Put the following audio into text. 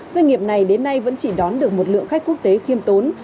doanh nghiệp này đến nay vẫn chỉ đón được một lượng khách quốc tế khiêm tốn